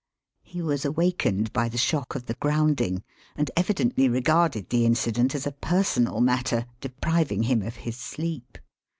He was awakened by the shock of the grounding, and evidently regarded the incident as a personal matter, depriving him of his sleep.